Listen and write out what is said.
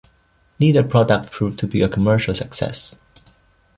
Neither product proved to be a commercial success.